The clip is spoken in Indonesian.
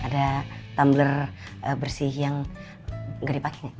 ada tumbler bersih yang gak dipake gak